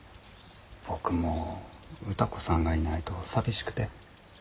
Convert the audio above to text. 僕も歌子さんがいないと寂しくて。